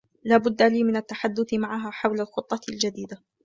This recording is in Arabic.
لا بد لي من التحدث معها حول الخطة الجديدة.